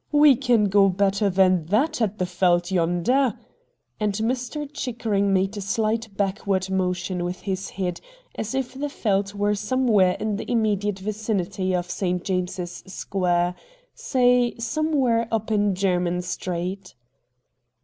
We can go better than that at the Yeldt yonder,' and Mr. Chickering made a slight backward motion with his head as if the Yeldt were somewhere in the immediate vicinity of St. James's Square — say somewhere up in Jermyn Street.